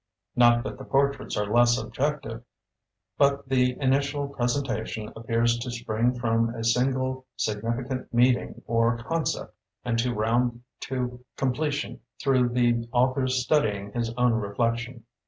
Not that the portraits are less objective, but the initial presentation appears to spring from a single significant meet ing or concept and to round to comple tion through the author's studying his own reflection.